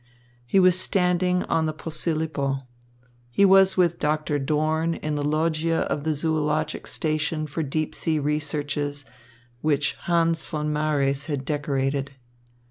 He was standing on the Posilipo. He was with Doctor Dorn in the loggia of the zoologic station for deep sea researches, which Hans von Marées had decorated.